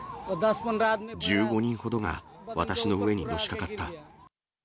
１５人ほどが私の上にのしかかった。